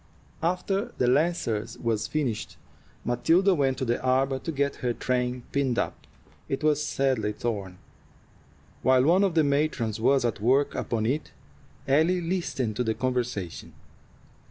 After the Lancers was finished, Matilda went to the arbor to get her train pinned up. It was sadly torn. While one of the matrons was at work upon it, Ellie listened to the conversation.